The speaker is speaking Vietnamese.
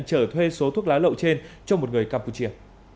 trở thuê số thuốc lá lậu trên cho một người campuchia